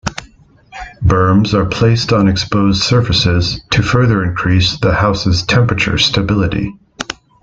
Berms are placed on exposed surfaces to further increase the house's temperature stability.